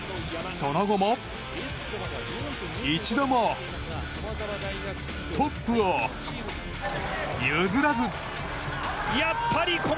その後も一度もトップを譲らず。